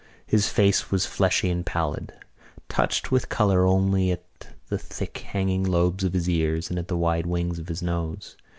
His face was fleshy and pallid, touched with colour only at the thick hanging lobes of his ears and at the wide wings of his nose.